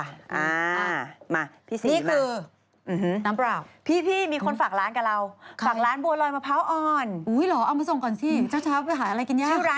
อ้ามาพี่ซีมาอืมฮืมพี่มีคนฝากร้านกับเรานี่คือน้ำเปล่า